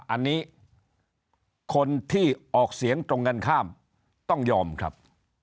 อันนี้คนที่ออกเสียงตรงกันข้ามต้องยอมครับ